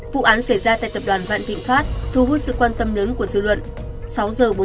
vụ án xảy ra tại tập đoàn vạn thịnh pháp thu hút sự quan tâm lớn của dư luận